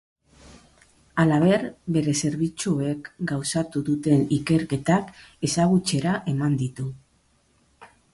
Halaber, bere zerbitzuek gauzatu duten ikerketak ezagutzera eman ditu.